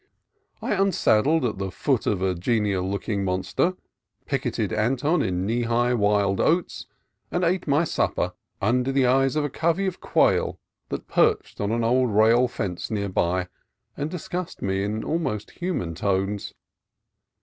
I unsaddled at the foot of a genial looking monster, picketed Anton in knee high wild oats, and ate my supper under the eyes of a covey of quail that perched on an old rail fence near by and discussed me in almost human tones.